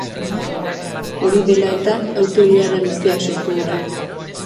Hori dela eta, auto-ilara luzeak sortu dira.